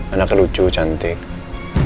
anak lucu cantiknya